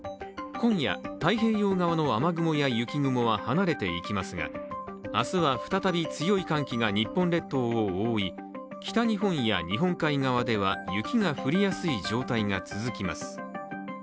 今夜、太平洋側の雨雲や雪雲は離れていきますが明日は再び強い寒気が日本列島を多い北日本や日本海側では雪が降りやすい状態が続きます。